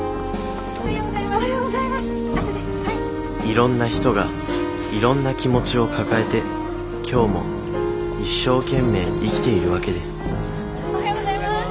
いろんな人がいろんな気持ちを抱えて今日も一生懸命生きているわけでおはようございます。